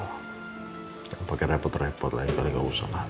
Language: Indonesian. tidak pakai repot repot lah ya kali gak usah lah